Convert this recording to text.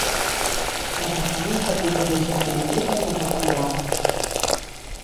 La façana és de composició simètrica i de poca amplada.